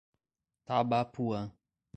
Tabapuã